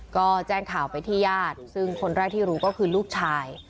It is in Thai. ก็แจ้งข่าวไปที่ญาติซึ่งคนแรกที่รู้ก็คือลูกชาย